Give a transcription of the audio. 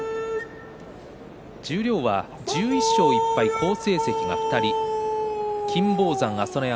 十両は１１勝１敗、好成績が２人金峰山と朝乃山